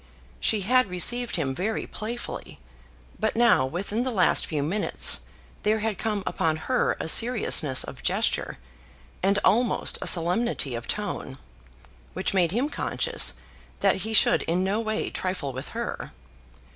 She had received him very playfully; but now within the last few minutes there had come upon her a seriousness of gesture, and almost a solemnity of tone, which made him conscious that he should in no way trifle with her.